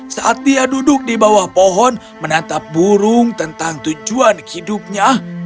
saat dia duduk di bawah pohon menatap burung tentang tujuan hidupnya